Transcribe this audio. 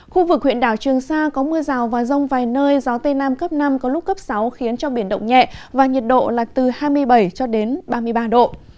khu vực huyện đảo trường sa có mưa rào và rông vài nơi gió tây nam cấp năm có lúc cấp sáu khiến cho biển động nhẹ và nhiệt độ là từ hai mươi bảy cho đến ba mươi ba độ